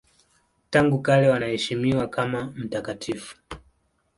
Tangu kale wanaheshimiwa kama mtakatifu.